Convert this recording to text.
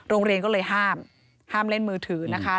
โรงเรียนก็เลยห้ามห้ามเล่นมือถือนะคะ